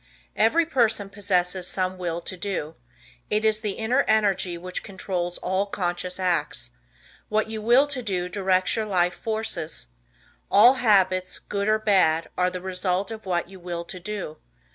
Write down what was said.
Every person possesses some "Will To Do." It is the inner energy which controls all conscious acts. What you will to do directs your life forces. All habits, good or bad, are the result of what you will to do.